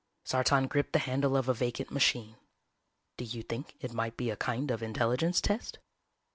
_" Sartan gripped the handle of a vacant machine. "_Do you think it might be a kind of intelligence test?